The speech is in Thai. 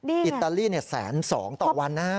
อิตาลี๑๐๒๐๐๐ต่อวันนะ